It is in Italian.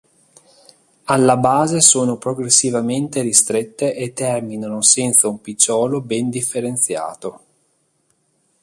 Alla base sono progressivamente ristrette e terminano senza un picciolo ben differenziato.